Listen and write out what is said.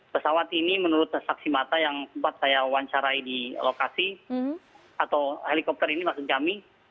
pesawat ini menurut saksi mata yang sempat saya wawancarai di lokasi atau helikopter ini maksud kami